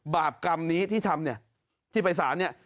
บาปกรรมนี้ที่ทำเนี่ยที่ไปสารเนี่ย